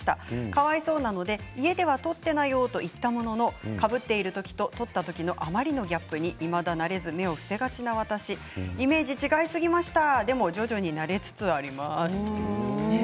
かわいそうなので家では取っていなよと言ったもののかぶっている時と取った時のあまりのギャップにいまだ慣れずに目を伏せがちな私イメージが違いすぎました。